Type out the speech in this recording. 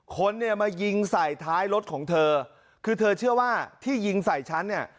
คนเนี่ยมายิงใส่ท้ายรถของเธอคือเธอเชื่อว่าที่ยิงใส่ฉันเนี่ย